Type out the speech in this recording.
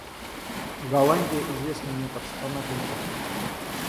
Голландия известна мне, как страна тюльпанов.